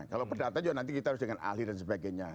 kalau perdata juga nanti kita harus dengan ahli dan sebagainya